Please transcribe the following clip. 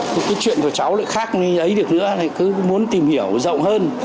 cái chuyện của cháu lại khác như ấy được nữa cứ muốn tìm hiểu rộng hơn